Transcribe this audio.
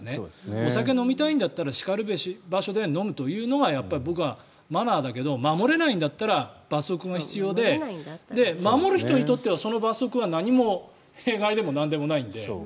お酒を飲みたいんだったらしかるべし場所で飲むというのがやっぱり僕はマナーだけど守れないんだったら罰則が必要で、守る人にとってはその罰則は何も弊害でもなんでもないんで。